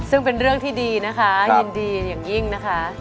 ซึ่งเป็นเรื่องที่ดีนะคะยินดีอย่างยิ่งนะคะ